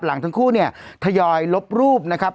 ทั้งคู่เนี่ยทยอยลบรูปนะครับ